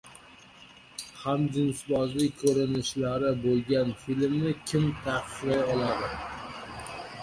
Hamjinsbozlik ko‘rinishlari bo‘lgan filmni kim taqiqlay oladi?